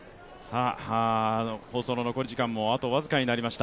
放送の残り時間もあと僅かになりました。